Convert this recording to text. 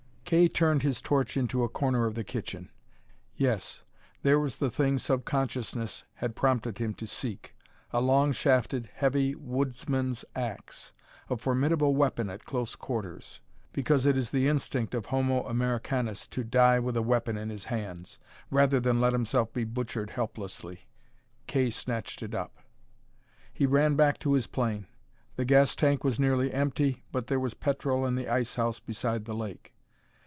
Kay turned his torch into a corner of the kitchen. Yes, there was the thing subconsciousness had prompted him to seek. A long shafted, heavy woodsman's ax, a formidable weapon at close quarters. Because it is the instinct of homo Americanus to die with a weapon in his hands, rather than let himself be butchered helplessly, Kay snatched it up. He ran back to his plane. The gas tank was nearly empty, but there was petrol in the ice house beside the lake.